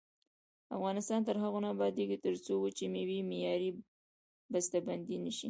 افغانستان تر هغو نه ابادیږي، ترڅو وچې میوې معیاري بسته بندي نشي.